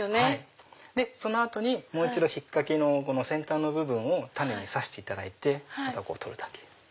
その後にもう一度引っ掛けの先端の部分を種に刺していただいてあとは取るだけ。